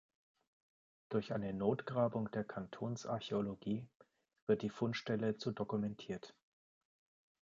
Durch eine Notgrabung der Kantonsarchäologie wird die Fundstelle zu dokumentiert.